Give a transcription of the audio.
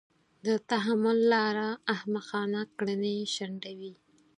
د تحمل لاره احمقانه کړنې شنډوي.